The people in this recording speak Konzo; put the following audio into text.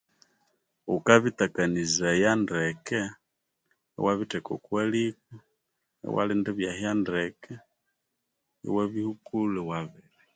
Ghukabitakanizaya ndeke iwabitheka kwaliko iwalinda ibyahya ndeke iwabihukulha iwabirya